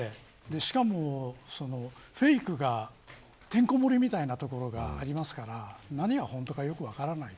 しかも、フェイクがてんこ盛りみたいなところがありますから何が本当かよく分からない。